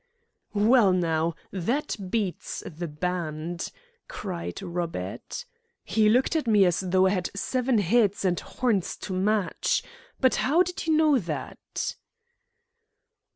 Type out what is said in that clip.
"Well, now, that beats the band," cried Robert. "He looked at me as though I had seven heads and horns to match. But how did you know that?"